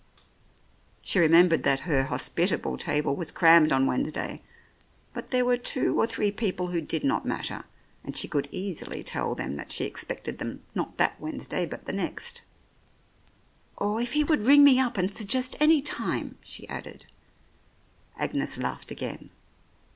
She remembered that her hospitable table was crammed on Wednesday, but there were two or three people who did not matter, and she could easily tell them that she expected them not that Wednesday but the next. ... "Or if he would ring me up and suggest any time," she added. Agnes laughed again.